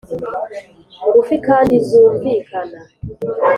ngufi kandi zu mvikana.